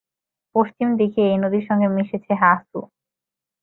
পশ্চিম দিকে এই নদীর সঙ্গে মিশেছে হা ছু।